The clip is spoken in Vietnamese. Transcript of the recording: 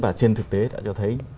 và trên thực tế đã cho thấy